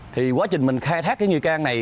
thì quá trình mình khai thác cái nghi can này